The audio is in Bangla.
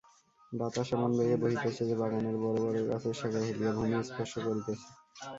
বাতাস এমন বেগে বহিতেছে যে, বাগানের বড় বড় গাছের শাখা হেলিয়া ভূমিস্পর্শ করিতেছে।